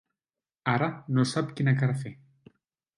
Ara no sap quina cara fer.